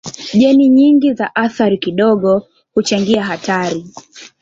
Jeni nyingi za athari kidogo huchangia hatari.